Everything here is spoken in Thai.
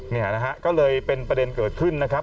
เนี่ยนะฮะก็เลยเป็นประเด็นเกิดขึ้นนะครับ